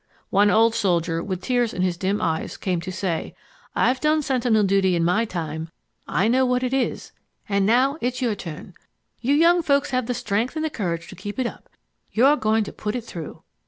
One old soldier with tears in his dim eyes came to say, "I've done sentinel duty in my time. I know what it is ... And now it's your turn. You young folks have the strength and the courage to keep it up .... You are going to put it through!"